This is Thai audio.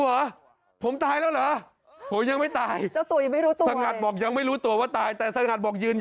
วงไม่แตกเหรอ